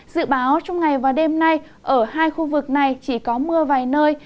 dự báo trong ngày và đêm nay ở hai khu vực này chỉ có mưa vài nơi